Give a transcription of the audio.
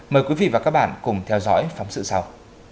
mời quý vị và các bạn cùng theo dõi phóng sự sau